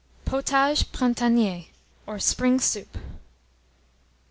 POTAGE PRINTANIER, OR SPRING SOUP.